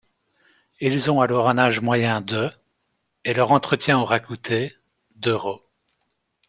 Ils ont alors un âge moyen de et leur entretien aura coûté d'euros.